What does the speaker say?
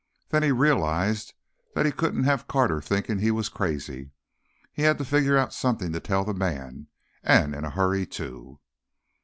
Then he realized that he couldn't have Carter thinking he was crazy. He had to figure out something to tell the man—and in a hurry, too.